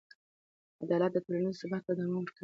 عدالت ټولنیز ثبات ته دوام ورکوي.